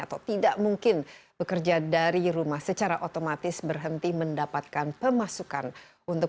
atau tidak mungkin bekerja dari rumah secara otomatis berhenti mendapatkan pemasukan untuk